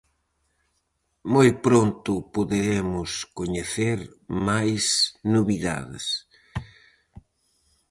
Moi pronto poderemos coñecer máis novidades!